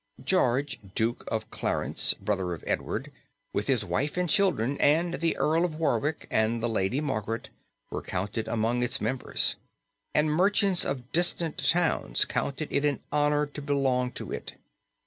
George, Duke of Clarence, brother of Edward, with his wife and children, and the Earl of Warwick, and the Lady Margaret were counted among its members, and merchants of distant towns counted it an honor to belong to it.